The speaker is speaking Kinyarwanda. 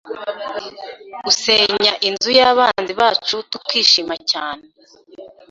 usenya inzu yabanzi bacu tukishima cyane